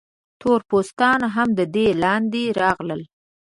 تور پوستان هم د دې لاندې راغلل.